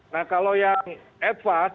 nah kalau yang advanced